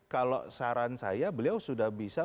kalau saran saya beliau sudah bisa